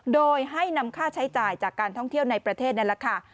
โดยให้นำค่าใช้จ่ายจากการท่องเที่ยวในประเทศนั่นแหละค่ะ